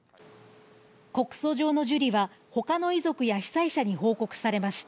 告訴状の受理は、ほかの遺族や被災者に報告されました。